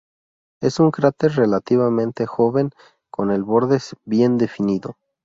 Es un cráter relativamente joven con el borde bien definido.